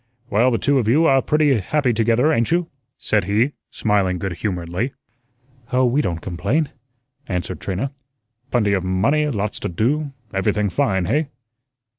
"Well, you two are pretty happy together, ain't you?" said he, smiling good humoredly. "Oh, we don't complain," answered Trina. "Plenty of money, lots to do, everything fine, hey?"